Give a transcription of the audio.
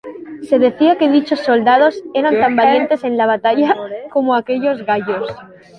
Se decía que dichos soldados eran tan valientes en la batalla como aquellos gallos.